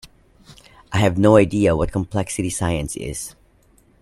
I have no idea what complexity science is.